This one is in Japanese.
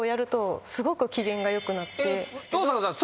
登坂さん